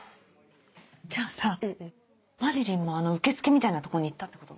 じゃあさまりりんもあの受付みたいな所に行ったってこと？